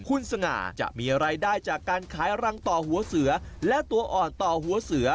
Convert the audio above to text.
คุณสง่าจะมีรายได้จากการขายรังต่อหัวเสือและตัวอ่อนต่อหัวเสือ